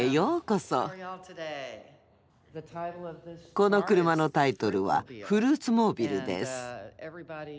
この車のタイトルは「フルーツ・モービル」です。